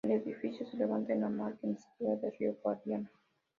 El edificio se levanta en la margen izquierda del río Guadiana.